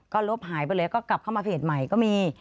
ก็ลบหายไปเลยก็กลับเข้ามาเพจใหม่ก็มี